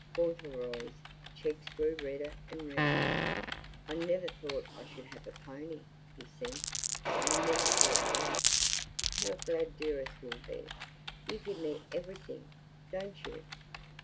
Fauntleroy's cheeks grew redder and redder. "I never thought I should have a pony!" he said. "I never thought that! How glad Dearest will be. You give me EVERYthing, don't you?"